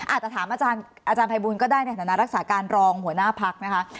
อาจจะถามอาจารย์ภัยบูลก็ได้ในฐานะรักษาการรองหัวหน้าพักนะคะ